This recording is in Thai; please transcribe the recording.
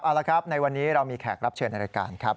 เอาละครับในวันนี้เรามีแขกรับเชิญในรายการครับ